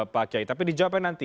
pak kiai tapi dijawabkan nanti